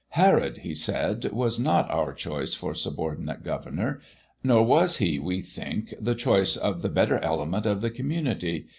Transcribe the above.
"Herod," he said, "was not our choice for subordinate governor, nor was he, we think, the choice of the better element of the community.